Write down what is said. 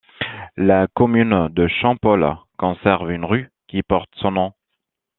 La commune de Champhol conserve une rue qui porte son nom.